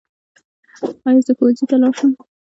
ایا زه ښوونځي ته لاړ شم؟